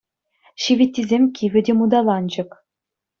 Ҫивиттисем кивӗ те муталанчӑк.